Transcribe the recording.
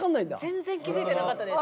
全然気付いてなかった。